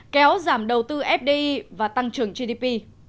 kéo giảm đầu tư fdi và tăng trưởng gdp